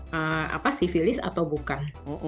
ini betul terjadi karena sivilis atau bukan